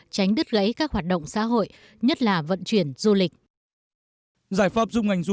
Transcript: tránh đứt gãy các hoạt động xã hội nhất là vận chuyển du lịch